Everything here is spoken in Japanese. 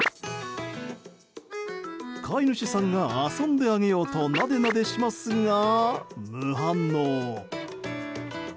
飼い主さんが遊んであげようとなでなでしますが、無反応。